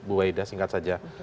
bu waida singkat saja